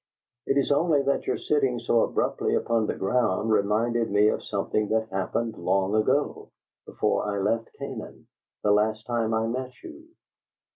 "It is only that your sitting so abruptly upon the ground reminded me of something that happened long ago, before I left Canaan, the last time I met you."